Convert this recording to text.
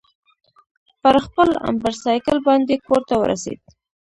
پر خپل امبرسایکل باندې کورته ورسېد.